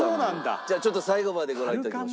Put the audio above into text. じゃあちょっと最後までご覧頂きましょう。